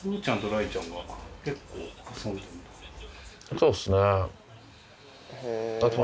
そうですね。